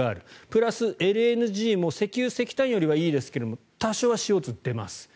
プラス、ＬＮＧも石油、石炭よりはいいですが多少はＣＯ２が出ます。